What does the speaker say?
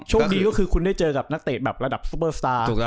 คดีก็คือคุณได้เจอกับนักเตะแบบระดับซูเปอร์สตาร์